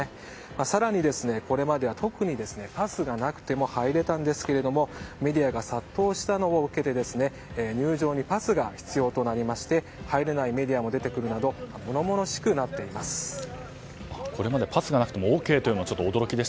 更に、これまでは特にパスがなくても入れたんですがメディアが殺到したのを受けて入場にパスが必要となりまして入れないメディアも出てくるなど物々しくなっています。